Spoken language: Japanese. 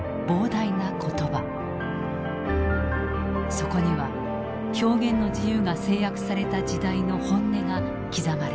そこには表現の自由が制約された時代の本音が刻まれている。